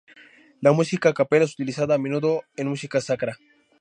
La música a capela es utilizada a menudo en música sacra.